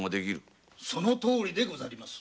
仰せのとおりでございます。